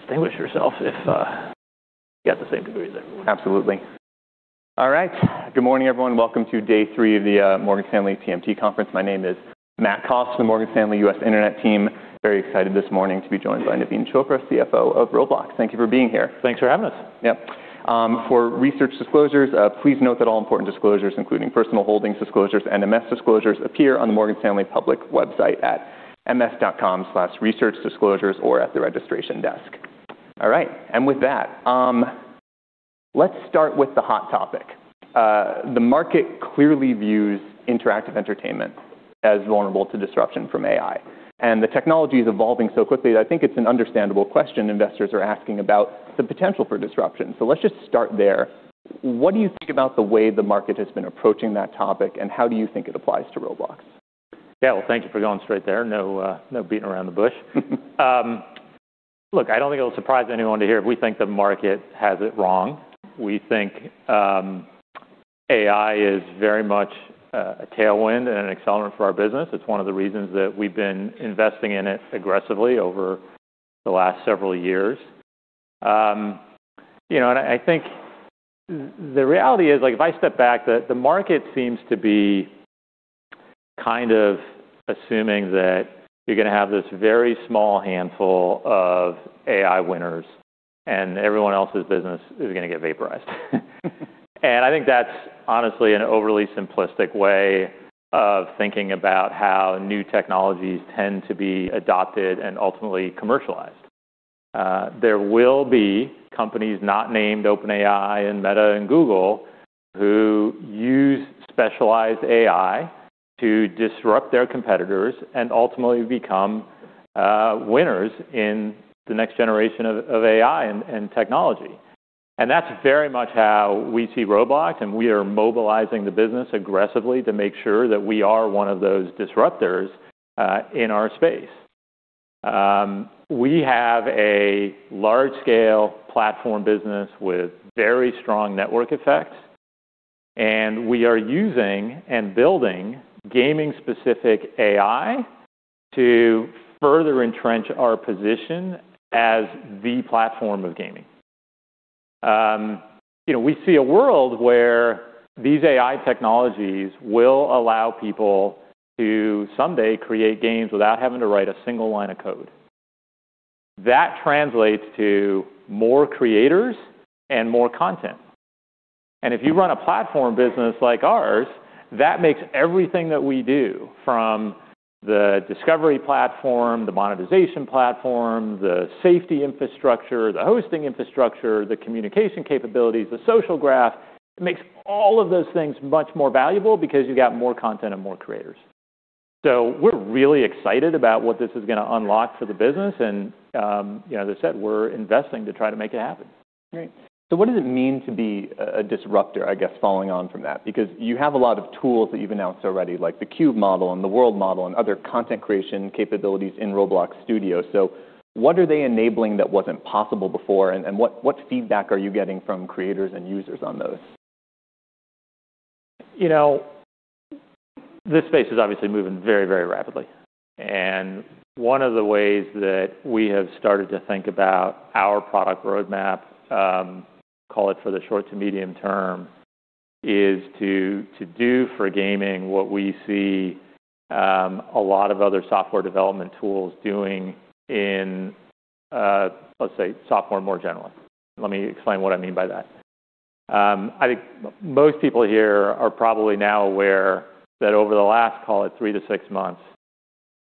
Distinguish yourself if you got the same degree as everyone. Absolutely. All right, good morning, everyone. Welcome to day three of the Morgan Stanley TMT conference. My name is Matthew Cost, the Morgan Stanley U.S. Internet team. Very excited this morning to be joined by Naveen Chopra, CFO of Roblox. Thank you for being here. Thanks for having us. Yes. For research disclosures, please note that all important disclosures, including personal holdings disclosures and MS disclosures, appear on the Morgan Stanley public website at ms.com/researchdisclosures or at the registration desk. All right. With that, let's start with the hot topic. The market clearly views interactive entertainment as vulnerable to disruption from AI, and the technology is evolving so quickly that I think it's an understandable question investors are asking about the potential for disruption. Let's just start there. What do you think about the way the market has been approaching that topic, and how do you think it applies to Roblox? Well, thank you for going straight there. No, beating around the bush. Look, I don't think it'll surprise anyone to hear if we think the market has it wrong. We think AI is very much a tailwind and an accelerant for our business. It's one of the reasons that we've been investing in it aggressively over the last several years. The reality is, like, if I step back, the market seems to be kind of assuming that you're going to have this very small handful of AI winners and everyone else's business is going to get vaporized. That's honestly an overly simplistic way of thinking about how new technologies tend to be adopted and ultimately commercialized. There will be companies not named OpenAI and Meta and Google who use specialized AI to disrupt their competitors and ultimately become winners in the next generation of AI and technology. That's very much how we see Roblox, and we are mobilizing the business aggressively to make sure that we are one of those disruptors in our space. We have a large-scale platform business with very strong network effects, and we are using and building gaming-specific AI to further entrench our position as the platform of gaming. We see a world where these AI technologies will allow people to someday create games without having to write a single line of code. That translates to more creators and more content. If you run a platform business like ours, that makes everything that we do, from the discovery platform, the monetization platform, the safety infrastructure, the hosting infrastructure, the communication capabilities, the social graph, makes all of those things much more valuable because you got more content and more creators. We're really excited about what this is going to unlock for the business, as I said, we're investing to try to make it happen. Great. What does it mean to be a disruptor, I guess, following on from that? You have a lot of tools that you've announced already, like the CUBE model and the World Model and other content creation capabilities in Roblox Studio. What are they enabling that wasn't possible before, and what feedback are you getting from creators and users on those? This space is obviously moving very, very rapidly, and one of the ways that we have started to think about our product roadmap, call it for the short to medium term, is to do for gaming what we see a lot of other software development tools doing in, let's say software more generally. Let me explain what I mean by that. Most people here are probably now aware that over the last, call it 3 to 6 months,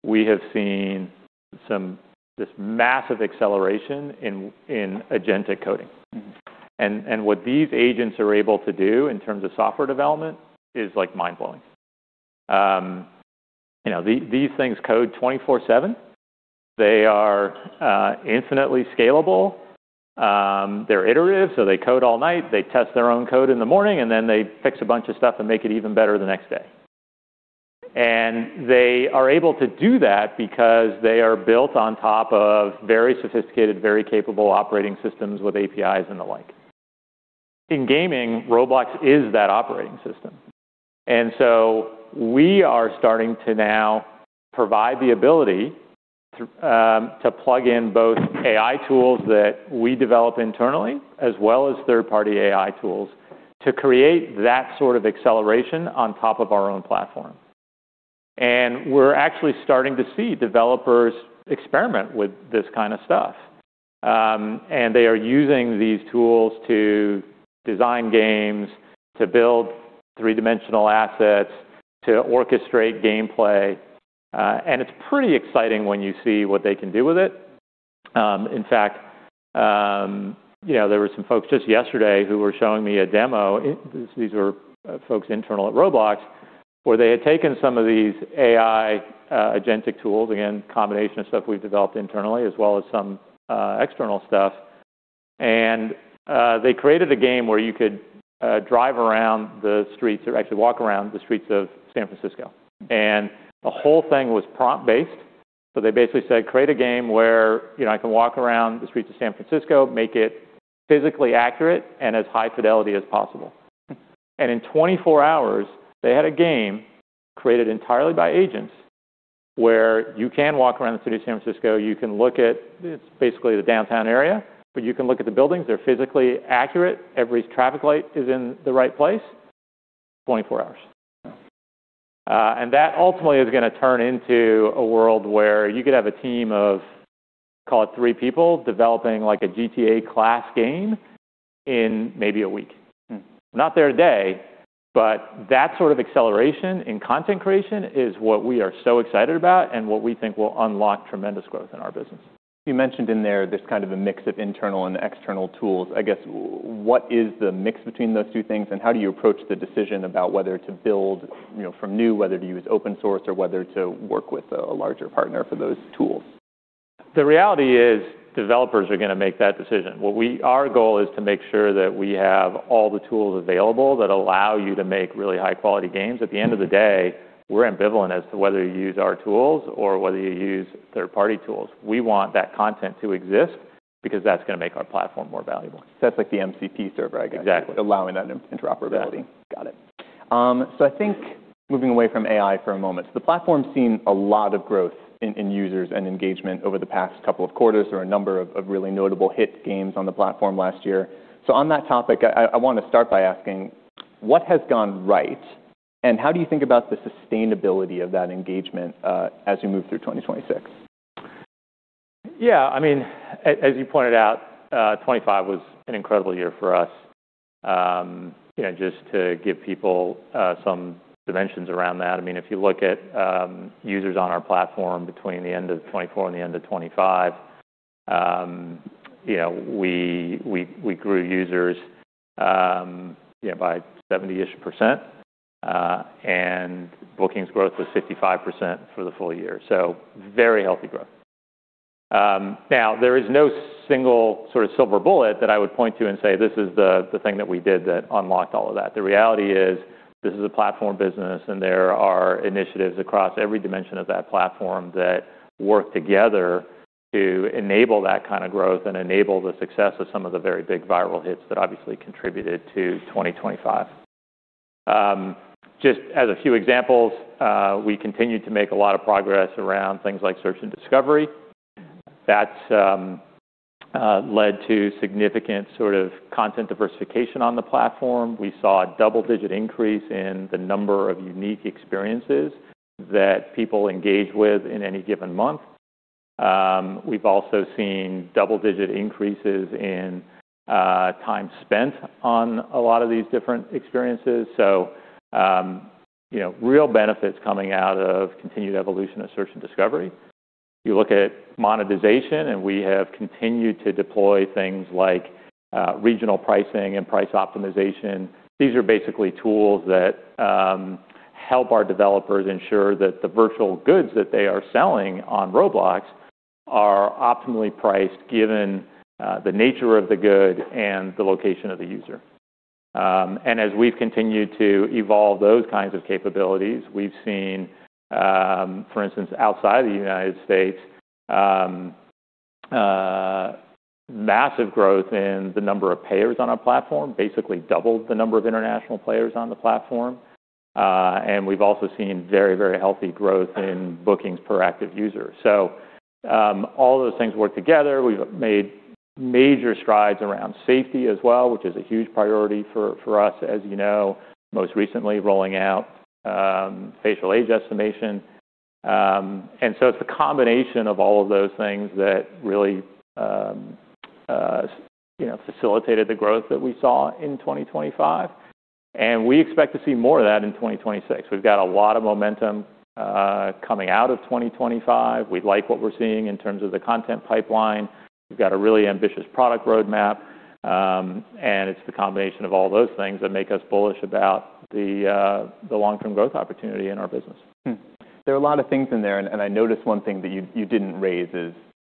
we have seen this massive acceleration in agentic coding. Mm-hmm. What these agents are able to do in terms of software development is, like, mind-blowing. These things code 24/7. They are infinitely scalable. They're iterative, so they code all night, they test their own code in the morning, and then they fix a bunch of stuff and make it even better the next day. They are able to do that because they are built on top of very sophisticated, very capable operating systems with APIs and the like. In gaming, Roblox is that operating system. We are starting to now provide the ability to plug in both AI tools that we develop internally as well as third-party AI tools to create that sort of acceleration on top of our own platform. We're actually starting to see developers experiment with this kind of stuff. They are using these tools to design games, to build three-dimensional assets, to orchestrate gameplay, and it's pretty exciting when you see what they can do with it. In fact, you know, there were some folks just yesterday who were showing me a demo, these were folks internal at Roblox, where they had taken some of these AI agentic tools, again, combination of stuff we've developed internally as well as some external stuff. They created a game where you could drive around the streets or actually walk around the streets of San Francisco. The whole thing was prompt-based, so they basically said, "Create a game where, you know, I can walk around the streets of San Francisco, make it physically accurate and as high fidelity as possible." In 24 hours, they had a game created entirely by agents. Where you can walk around the city of San Francisco, you can look at basically the downtown area, but you can look at the buildings. They're physically accurate. Every traffic light is in the right place. 24 hours. That ultimately is going to turn into a world where you could have a team of, call it three people, developing like a GTA class game in maybe a week. Not there today, but that sort of acceleration in content creation is what we are so excited about and what we think will unlock tremendous growth in our business. You mentioned in there this kind of a mix of internal and external tools. I guess, what is the mix between those two things and how do you approach the decision about whether to build from new, whether to use open source, or whether to work with a larger partner for those tools? The reality is developers are going to make that decision. Our goal is to make sure that we have all the tools available that allow you to make really high-quality games. At the end of the day, we're ambivalent as to whether you use our tools or whether you use third-party tools. We want that content to exist because that's going to make our platform more valuable. That's like the MCP server, I guess. Exactly. Allowing that interoperability. Yeah. Got it. I think moving away from AI for a moment, the platform's seen a lot of growth in users and engagement over the past couple of quarters or a number of really notable hit games on the platform last year. On that topic, I want to start by asking, what has gone right and how do you think about the sustainability of that engagement as you move through 2026? As you pointed out, 25 was an incredible year for us. Just to give people some dimensions around that, I mean, if you look at users on our platform between the end of 2024 and the end of 2025, we grew users by 70% and bookings growth was 55% for the full year. Very healthy growth. Now, there is no single sort of silver bullet that I would point to and say, "This is the thing that we did that unlocked all of that." The reality is this is a platform business and there are initiatives across every dimension of that platform that work together to enable that kind of growth and enable the success of some of the very big viral hits that obviously contributed to 2025. Just as a few examples, we continued to make a lot of progress around things like search and discovery. That's led to significant sort of content diversification on the platform. We saw a double-digit increase in the number of unique experiences that people engage with in any given month. We've also seen double-digit increases in time spent on a lot of these different experiences. Real benefits coming out of continued evolution of search and discovery. You look at monetization, and we have continued to deploy things like regional pricing and price optimization. These are basically tools that help our developers ensure that the virtual goods that they are selling on Roblox are optimally priced given the nature of the good and the location of the user. As we've continued to evolve those kinds of capabilities, we've seen, for instance, outside of the United States, massive growth in the number of payers on our platform, basically doubled the number of international players on the platform. We've also seen very, very healthy growth in bookings per active user. All those things work together. We've made major strides around safety as well, which is a huge priority for us, as you know, most recently rolling out facial age estimation. It's the combination of all of those things that really facilitated the growth that we saw in 2025. We expect to see more of that in 2026. We've got a lot of momentum coming out of 2025. We like what we're seeing in terms of the content pipeline. We've got a really ambitious product roadmap. It's the combination of all those things that make us bullish about the long-term growth opportunity in our business. There are a lot of things in there, and I noticed one thing that you didn't raise is,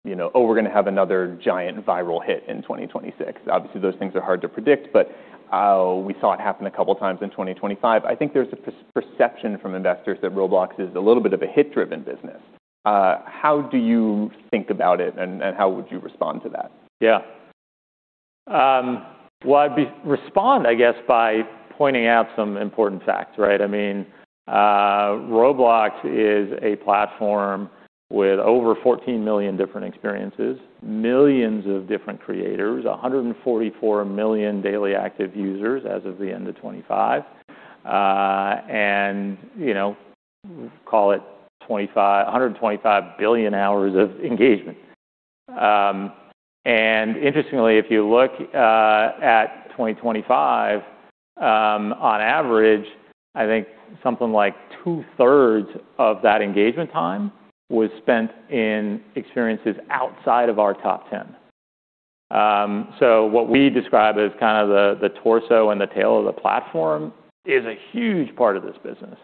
oh, we're going to have another giant viral hit in 2026. Obviously, those things are hard to predict, but we saw it happen a couple times in 2025. I think there's a perception from investors that Roblox is a little bit of a hit-driven business. How do you think about it, and how would you respond to that? Yeah. Well, I'd respond, I guess, by pointing out some important facts, right? I mean, Roblox is a platform with over 14 million different experiences, millions of different creators, 144 million daily active users as of the end of 2025, and call it 125 billion hours of engagement. Interestingly, if you look at 2025, on average, I think something like two-thirds of that engagement time was spent in experiences outside of our top 10. What we describe as kind of the torso and the tail of the platform is a huge part of this business,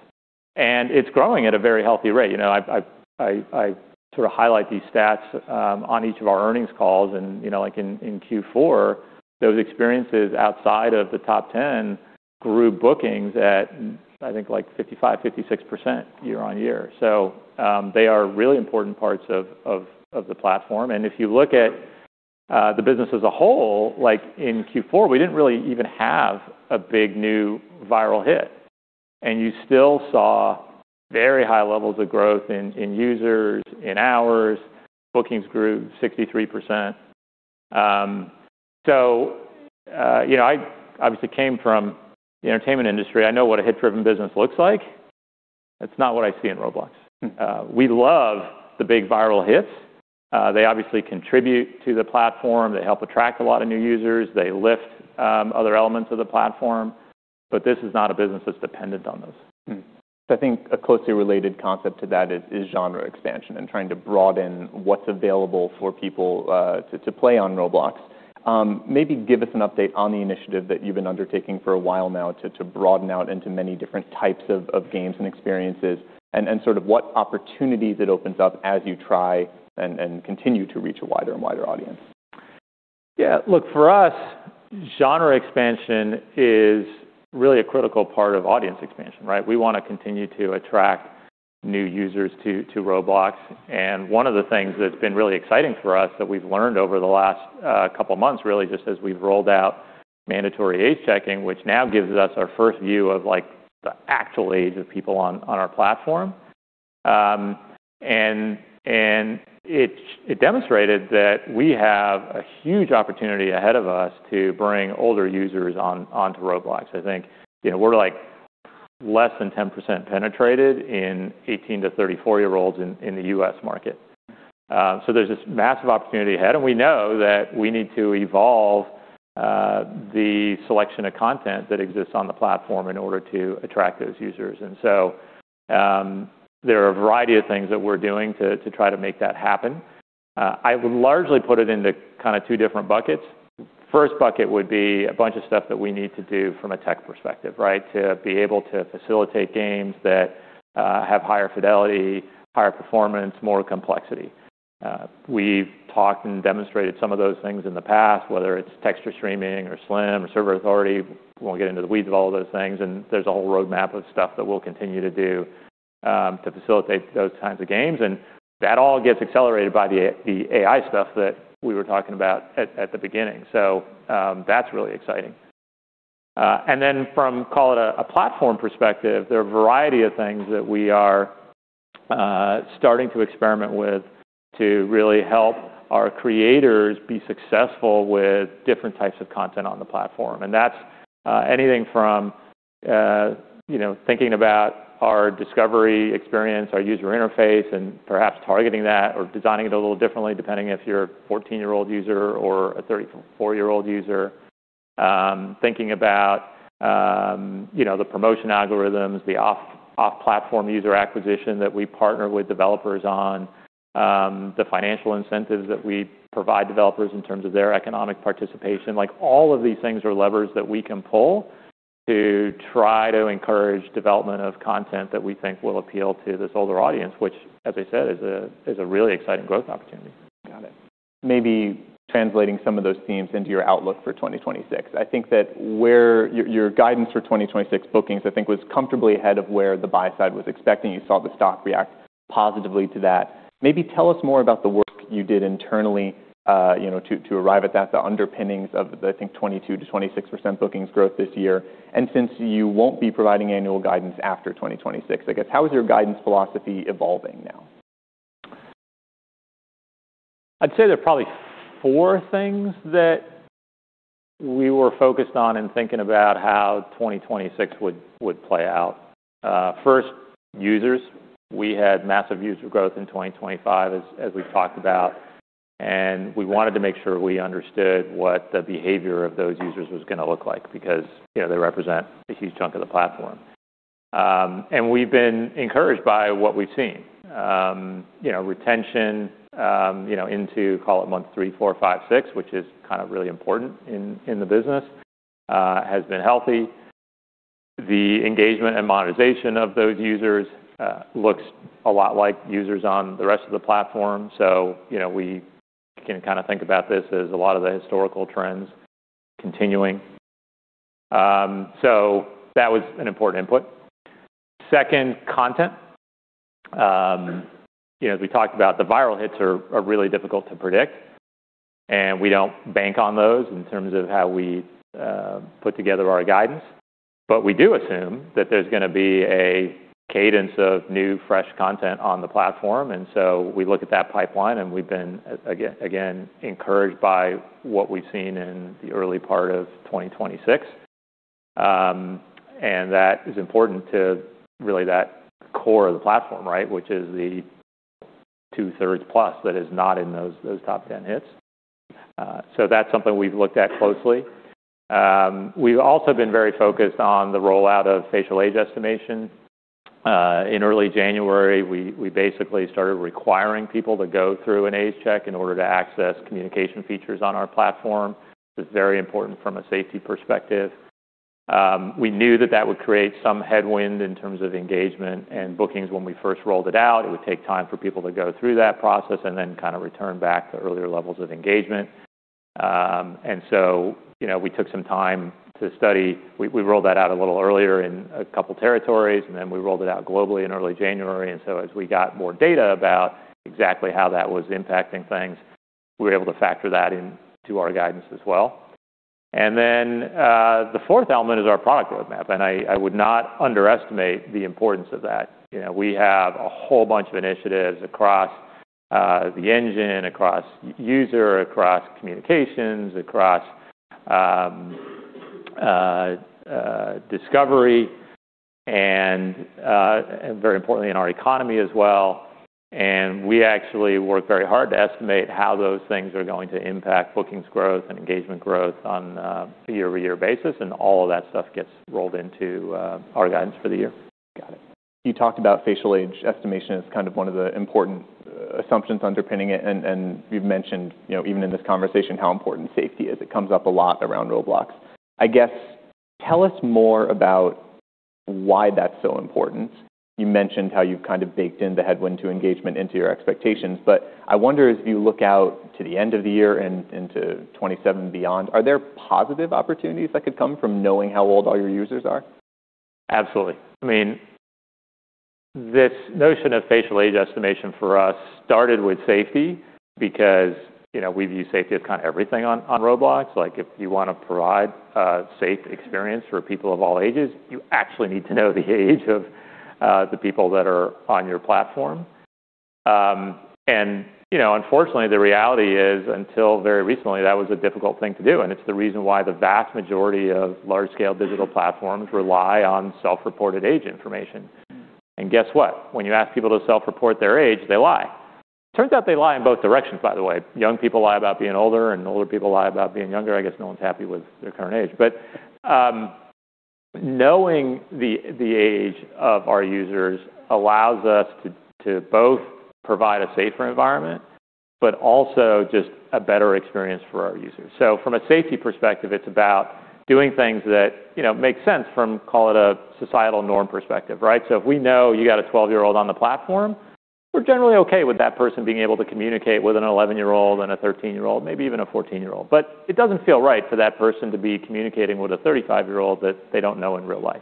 and it's growing at a very healthy rate. I sort of highlight these stats on each of our earnings calls. In Q4, those experiences outside of the top 10 grew bookings at, I think, like 55%-56% year-over-year. They are really important parts of the platform. If you look at the business as a whole, like in Q4, we didn't really even have a big new viral hit, and you still saw very high levels of growth in users, in hours. Bookings grew 63%. You know, I obviously came from the entertainment industry. I know what a hit-driven business looks like. That's not what I see in Roblox. We love the big viral hits. They obviously contribute to the platform. They help attract a lot of new users. They lift other elements of the platform, but this is not a business that's dependent on those. I think a closely related concept to that is genre expansion and trying to broaden what's available for people to play on Roblox. Maybe give us an update on the initiative that you've been undertaking for a while now to broaden out into many different types of games and experiences and sort of what opportunities it opens up as you try and continue to reach a wider and wider audience. Yeah. Look, for us, genre expansion is really a critical part of audience expansion, right? We wanna continue to attract new users to Roblox. One of the things that's been really exciting for us that we've learned over the last couple months really just as we've rolled out mandatory age checking, which now gives us our first view of, like, the actual age of people on our platform. It demonstrated that we have a huge opportunity ahead of us to bring older users onto Roblox. I think, you know, we're like less than 10% penetrated in 18-34-year-olds in the US market. There's this massive opportunity ahead, and we know that we need to evolve the selection of content that exists on the platform in order to attract those users. There are a variety of things that we're doing to try to make that happen. I would largely put it into kinda two different buckets. First bucket would be a bunch of stuff that we need to do from a tech perspective, right? To be able to facilitate games that have higher fidelity, higher performance, more complexity. We've talked and demonstrated some of those things in the past, whether it's texture streaming or SLM or server authority. Won't get into the weeds of all those things, and there's a whole roadmap of stuff that we'll continue to do to facilitate those kinds of games. That all gets accelerated by the AI stuff that we were talking about at the beginning. That's really exciting. From, call it a platform perspective, there are a variety of things that we are starting to experiment with to really help our creators be successful with different types of content on the platform. That's, anything from, you know, thinking about our discovery experience, our user interface, and perhaps targeting that or designing it a little differently, depending if you're a 14-year-old user or a 34-year-old user. Thinking about, you know, the promotion algorithms, the off-platform user acquisition that we partner with developers on, the financial incentives that we provide developers in terms of their economic participation. Like, all of these things are levers that we can pull to try to encourage development of content that we think will appeal to this older audience, which as I said, is a really exciting growth opportunity. Got it. Maybe translating some of those themes into your outlook for 2026. I think that Your guidance for 2026 bookings, I think, was comfortably ahead of where the buy side was expecting. You saw the stock react positively to that. Maybe tell us more about the work you did internally, you know, to arrive at that, the underpinnings of the, I think, 22%-26% bookings growth this year. Since you won't be providing annual guidance after 2026, I guess, how is your guidance philosophy evolving now? I'd say there are probably 4 things that we were focused on in thinking about how 2026 would play out. First, users. We had massive user growth in 2025 as we've talked about, and we wanted to make sure we understood what the behavior of those users was gonna look like because, you know, they represent a huge chunk of the platform. We've been encouraged by what we've seen. You know, retention, you know, into, call it month 3, 4, 5, 6, which is kind of really important in the business, has been healthy. The engagement and monetization of those users looks a lot like users on the rest of the platform, so, you know, we can kinda think about this as a lot of the historical trends continuing. That was an important input. Second, content. You know, as we talked about, the viral hits are really difficult to predict, and we don't bank on those in terms of how we put together our guidance. We do assume that there's gonna be a cadence of new, fresh content on the platform, and so we look at that pipeline, and we've been again encouraged by what we've seen in the early part of 2026. That is important to really that core of the platform, right? Which is the 2/3 plus that is not in those top 10 hits. That's something we've looked at closely. We've also been very focused on the rollout of facial age estimation. In early January, we basically started requiring people to go through an age check in order to access communication features on our platform. That's very important from a safety perspective. We knew that that would create some headwind in terms of engagement and bookings when we first rolled it out. It would take time for people to go through that process and then kinda return back to earlier levels of engagement. You know, we took some time to study. We rolled that out a little earlier in a couple territories. We rolled it out globally in early January. As we got more data about exactly how that was impacting things, we were able to factor that into our guidance as well. The fourth element is our product roadmap, and I would not underestimate the importance of that. We have a whole bunch of initiatives across the engine, across user, across communications, across discovery and very importantly in our economy as well. We actually work very hard to estimate how those things are going to impact bookings growth and engagement growth on a year-over-year basis, and all of that stuff gets rolled into our guidance for the year. Got it. You talked about facial age estimation as kind of one of the important assumptions underpinning it, and you've mentioned, you know, even in this conversation how important safety is. It comes up a lot around Roblox. I guess, tell us more about why that's so important. You mentioned how you've kind of baked in the headwind to engagement into your expectations. I wonder as you look out to the end of the year and into 2027 beyond, are there positive opportunities that could come from knowing how old all your users are? Absolutely. this notion of facial age estimation for us started with safety because, you know, we view safety as kind of everything on Roblox. Like, if you wanna provide a safe experience for people of all ages, you actually need to know the age of the people that are on your platform. You know, unfortunately, the reality is, until very recently, that was a difficult thing to do, and it's the reason why the vast majority of large-scale digital platforms rely on self-reported age information. Guess what? When you ask people to self-report their age, they lie. Turns out they lie in both directions, by the way. Young people lie about being older, and older people lie about being younger. I guess no one's happy with their current age. Knowing the age of our users allows us to both provide a safer environment, but also just a better experience for our users. From a safety perspective, it's about doing things that, you know, make sense from, call it a societal norm perspective, right? If we know you got a 12-year-old on the platform, we're generally okay with that person being able to communicate with an 11-year-old and a 13-year-old, maybe even a 14-year-old. It doesn't feel right for that person to be communicating with a 35-year-old that they don't know in real life.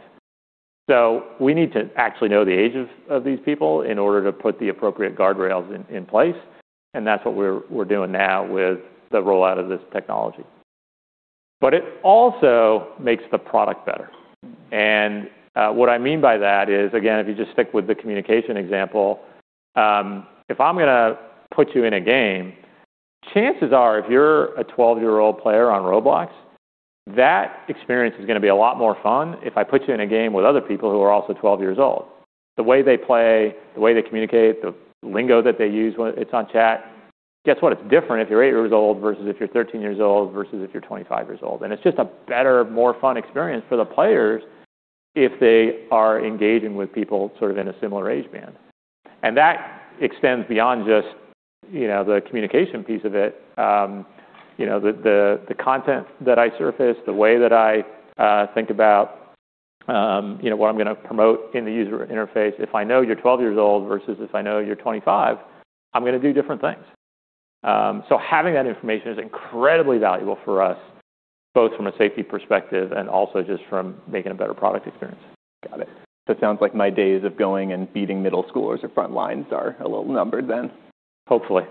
We need to actually know the age of these people in order to put the appropriate guardrails in place, and that's what we're doing now with the rollout of this technology. It also makes the product better. What I mean by that is, again, if you just stick with the communication example, if I'm gonna put you in a game, chances are, if you're a 12-year-old player on Roblox, that experience is gonna be a lot more fun if I put you in a game with other people who are also 12 years old. The way they play, the way they communicate, the lingo that they use when it's on chat, guess what? It's different if you're 8 years old versus if you're 13 years old versus if you're 25 years old. It's just a better, more fun experience for the players if they are engaging with people sort of in a similar age band. That extends beyond just, you know, the communication piece of it. The content that I surface, the way that I think about, what I'm going to promote in the user interface, if I know you're 12 years old versus if I know you're 25, I'm gonna do different things. Having that information is incredibly valuable for us, both from a safety perspective and also just from making a better product experience. Got it. It sounds like my days of going and beating middle schoolers at Frontlines are a little numbered then. Hopefully.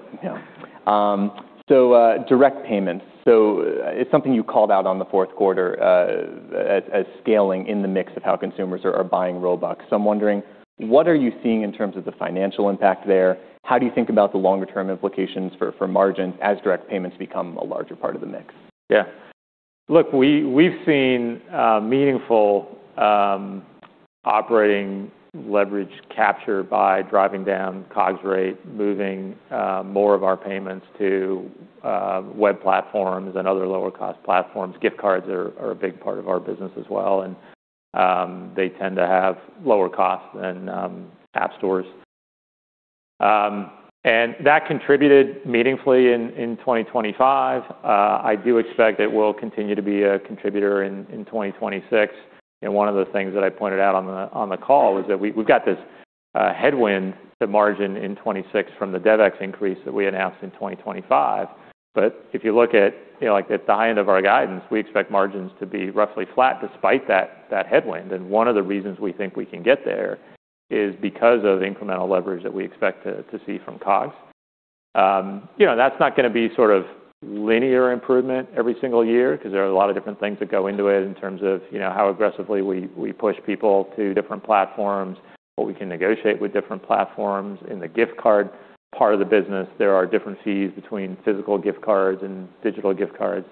Direct payments. It's something you called out on the Q4, as scaling in the mix of how consumers are buying Robux. I'm wondering, what are you seeing in terms of the financial impact there? How do you think about the longer term implications for margins as direct payments become a larger part of the mix? We've seen meaningful operating leverage capture by driving down COGS rate, moving more of our payments to web platforms and other lower-cost platforms. Gift cards are a big part of our business as well, they tend to have lower costs than app stores. That contributed meaningfully in 2025. I do expect it will continue to be a contributor in 2026. One of the things that I pointed out on the call was that we've got this headwind to margin in 2026 from the DevEx increase that we announced in 2025. If you look at, you know, like, at the high end of our guidance, we expect margins to be roughly flat despite that headwind. One of the reasons we think we can get there is because of the incremental leverage that we expect to see from COGS. That's not going to be sort of linear improvement every single year because there are a lot of different things that go into it in terms of, you know, how aggressively we push people to different platforms, what we can negotiate with different platforms. In the gift card part of the business, there are different fees between physical gift cards and digital gift cards.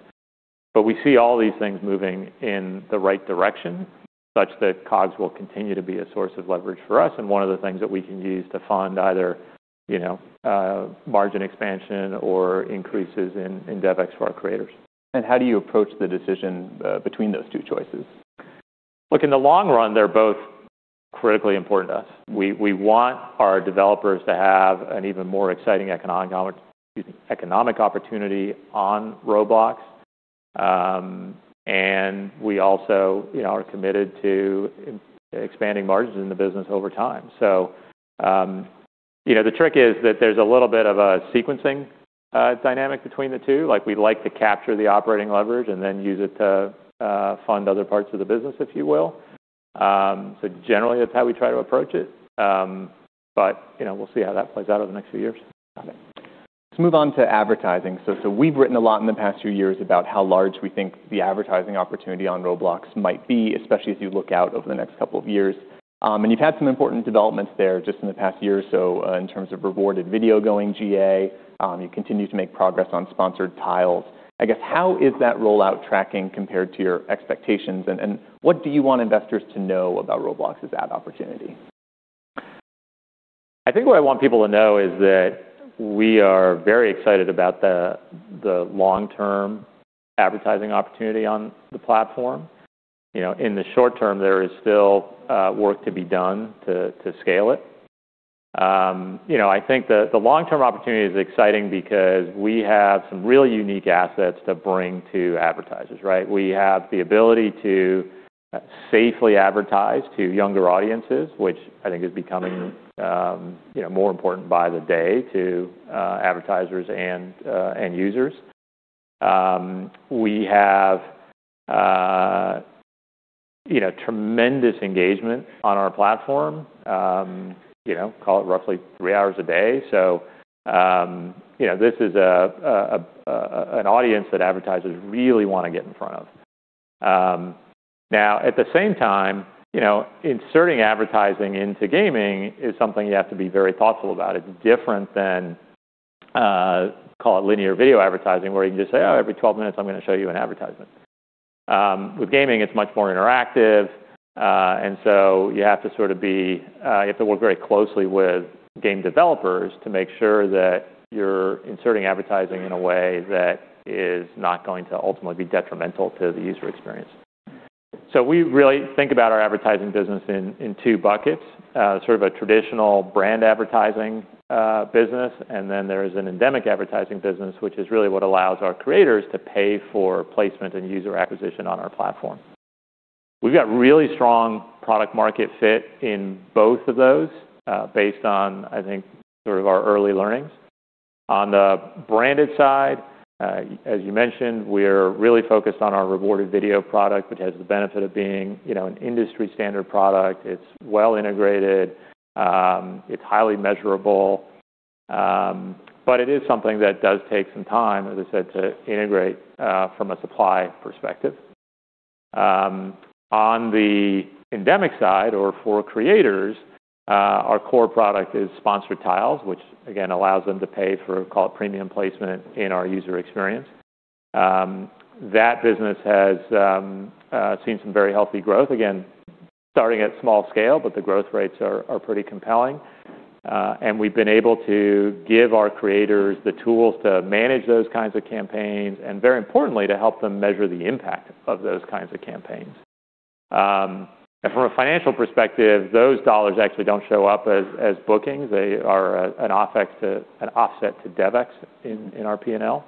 We see all these things moving in the right direction such that COGS will continue to be a source of leverage for us, and one of the things that we can use to fund either, you know, margin expansion or increases in DevEx for our creators. how do you approach the decision, between those two choices? Look, in the long run, they're both critically important to us. We want our developers to have an even more exciting economic, excuse me, economic opportunity on Roblox. We also, you know, are committed to expanding margins in the business over time. You know, the trick is that there's a little bit of a sequencing dynamic between the two. Like, we like to capture the operating leverage and then use it to fund other parts of the business, if you will. Generally that's how we try to approach it. You know, we'll see how that plays out over the next few years. Got it. Let's move on to advertising. We've written a lot in the past few years about how large we think the advertising opportunity on Roblox might be, especially as you look out over the next couple of years. And you've had some important developments there just in the past year or so, in terms of Rewarded Video going GA. You continue to make progress on Sponsored Tiles. I guess how is that rollout tracking compared to your expectations? What do you want investors to know about Roblox's ad opportunity? What I want people to know is that we are very excited about the long-term advertising opportunity on the platform. You know, in the short term, there is still work to be done to scale it. You know, I think the long-term opportunity is exciting because we have some really unique assets to bring to advertisers, right? We have the ability to safely advertise to younger audiences, which I think is becoming, you know, more important by the day to advertisers and users. We have, you know, tremendous engagement on our platform, you know, call it roughly 3 hours a day. You know, this is an audience that advertisers really want to get in front of. Now, at the same time, you know, inserting advertising into gaming is something you have to be very thoughtful about. It's different than, call it linear video advertising, where you can just say, " every 12 minutes, I'm going to show you an advertisement." With gaming, it's much more interactive, you have to sort of be, you have to work very closely with game developers to make sure that you're inserting advertising in a way that is not going to ultimately be detrimental to the user experience. We really think about our advertising business in 2 buckets. Sort of a traditional brand advertising business, and then there's an endemic advertising business, which is really what allows our creators to pay for placement and user acquisition on our platform. We've got really strong product market fit in both of those, based on our early learnings. On the branded side, as you mentioned, we're really focused on our Rewarded Video product, which has the benefit of being, you know, an industry standard product. It's well integrated. It's highly measurable. It is something that does take some time, as I said, to integrate from a supply perspective. On the endemic side or for creators, our core product is Sponsored Tiles, which again allows them to pay for call it premium placement in our user experience. That business has seen some very healthy growth, again, starting at small scale, the growth rates are pretty compelling. We've been able to give our creators the tools to manage those kinds of campaigns and very importantly, to help them measure the impact of those kinds of campaigns. From a financial perspective, those dollars actually don't show up as bookings. They are an opex to an offset to DevEx in our P&L.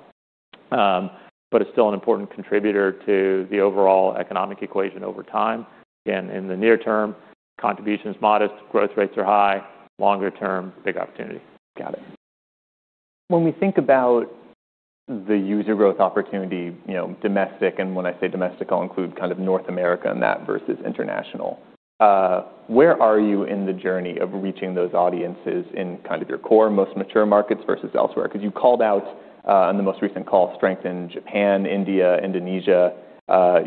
It's still an important contributor to the overall economic equation over time. Again, in the near term, contribution's modest, growth rates are high. Longer term, big opportunity. Got it. When we think about the user growth opportunity, you know, domestic, and when I say domestic, I'll include kind of North America in that versus international, where are you in the journey of reaching those audiences in kind of your core most mature markets versus elsewhere? Because you called out on the most recent call strength in Japan, India, Indonesia,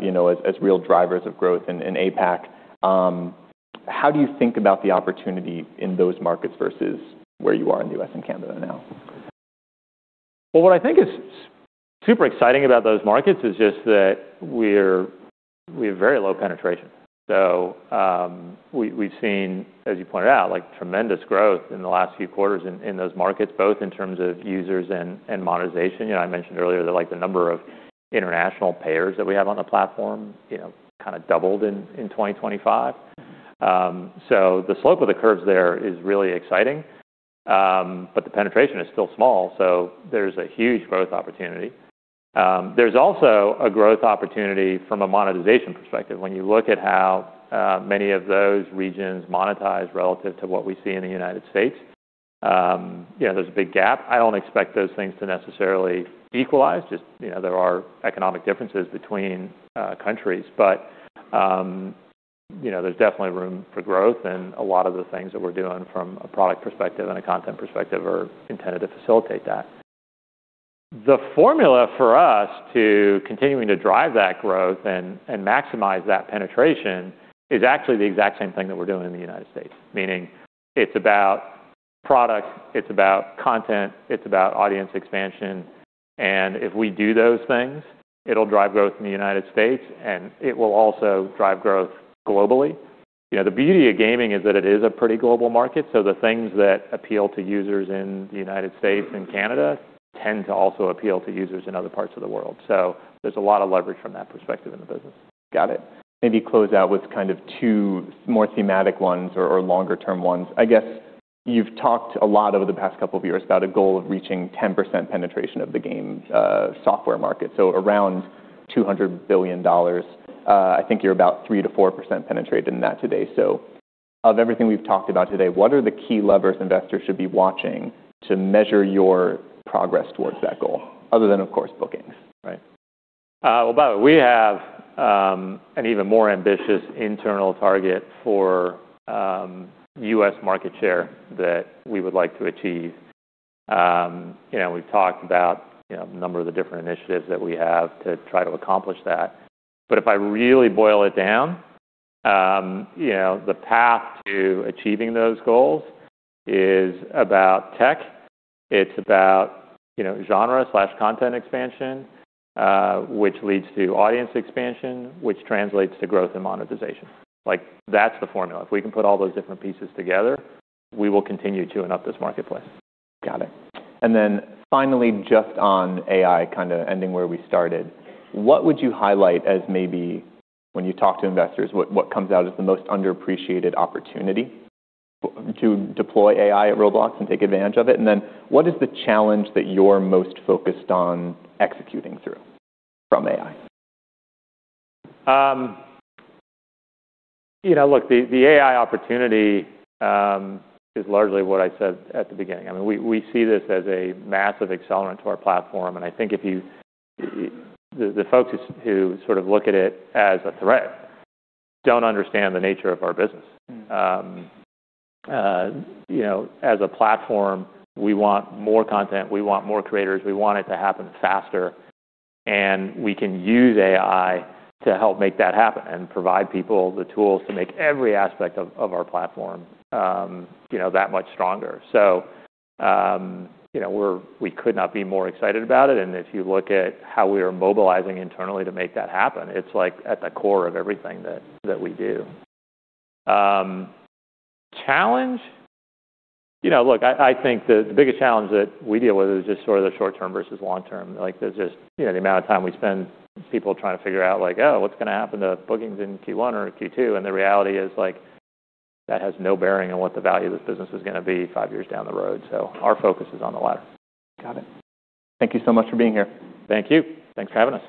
you know, as real drivers of growth in APAC. How do you think about the opportunity in those markets versus where you are in the U.S. and Canada now? What I think is super exciting about those markets is just that we have very low penetration. We, we've seen, as you pointed out, like tremendous growth in the last few quarters in those markets, both in terms of users and monetization. You know, I mentioned earlier that like the number of international payers that we have on the platform, doubled in 2025. The slope of the curves there is really exciting, but the penetration is still small, so there's a huge growth opportunity. There's also a growth opportunity from a monetization perspective. When you look at how many of those regions monetize relative to what we see in the United States, you know, there's a big gap. I don't expect those things to necessarily equalize, just, you know, there are economic differences between countries. You know, there's definitely room for growth, and a lot of the things that we're doing from a product perspective and a content perspective are intended to facilitate that. The formula for us to continuing to drive that growth and maximize that penetration is actually the exact same thing that we're doing in the United States, meaning it's about product, it's about content, it's about audience expansion, and if we do those things, it'll drive growth in the United States, and it will also drive growth globally. You know, the beauty of gaming is that it is a pretty global market, so the things that appeal to users in the United States and Canada tend to also appeal to users in other parts of the world. There's a lot of leverage from that perspective in the business. Got it. Maybe close out with kind of two more thematic ones or longer term ones. I guess you've talked a lot over the past couple of years about a goal of reaching 10% penetration of the game software market. Around $200 billion. I think you're about 3%-4% penetrated in that today. Of everything we've talked about today, what are the key levers investors should be watching to measure your progress towards that goal? Other than, of course, bookings, right? Well, about it, we have an even more ambitious internal target for U.S. market share that we would like to achieve. You know, we've talked about, you know, a number of the different initiatives that we have to try to accomplish that. If I really boil it down, you know, the path to achieving those goals is about tech. It's about, you know, genre/content expansion, which leads to audience expansion, which translates to growth and monetization. Like that's the formula. If we can put all those different pieces together, we will continue to up this marketplace. Got it. Finally, just on AI kinda ending where we started. What would you highlight as maybe when you talk to investors, what comes out as the most underappreciated opportunity to deploy AI at Roblox and take advantage of it? What is the challenge that you're most focused on executing through from AI? Look, the AI opportunity is largely what I said at the beginning. I mean, we see this as a massive accelerant to our platform, and I think if the folks who sort of look at it as a threat don't understand the nature of our business. You know, as a platform, we want more content, we want more creators, we want it to happen faster, and we can use AI to help make that happen and provide people the tools to make every aspect of our platform, you know, that much stronger. We could not be more excited about it, and if you look at how we are mobilizing internally to make that happen, it's like at the core of everything that we do. Challenge? Look, I think the biggest challenge that we deal with is just sort of the short term versus long term. Like, there's just, you know, the amount of time we spend people trying to figure out like, oh, what's gonna happen to bookings in Q1 or Q2? The reality is, like, that has no bearing on what the value of this business is gonna be five years down the road. Our focus is on the latter. Got it. Thank you so much for being here. Thank you. Thanks for having us.